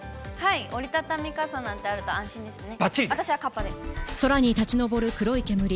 折り畳み傘なんてあると安心ですね。